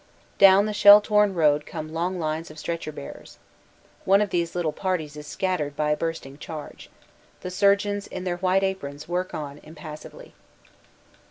Down the shell torn road come long lines of stretcher bear ers. One of these little parties is scattered by a bursting charge. The surgeons in their white aprons work on impassively.